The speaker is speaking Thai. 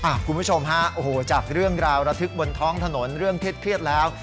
คุณผู้ชมฮะโอ้โหจากเรื่องราวระทึกบนท้องถนนเรื่องเครียดแล้ว